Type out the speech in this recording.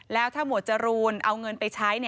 แล้วถ้าหมวดจรูนเอาเงินไปใช้